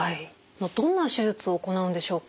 どんな手術を行うんでしょうか？